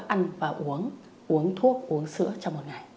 ăn và uống uống thuốc uống sữa trong một ngày